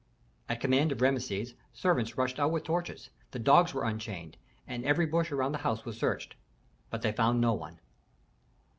At command of Rameses servants rushed out with torches, the dogs were unchained, and every bush around the house was searched. But they found no one.